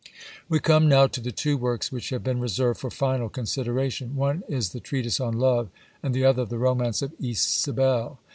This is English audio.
We come now to the two works which have been reserved for final consideration— one is the Treatise on Love, and the other the romance of Isabelle.